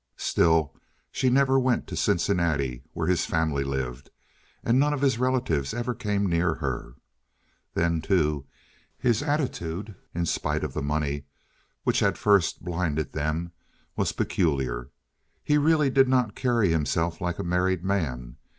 Still, she never went to Cincinnati, where his family lived, and none of his relatives ever came near her. Then, too, his attitude, in spite of the money which had first blinded them, was peculiar. He really did not carry himself like a married man.